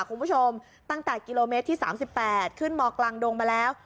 คุณผู้ชมตั้งแต่กิโลเมตรที่๓๘ขึ้นมกลางดงมาแล้ว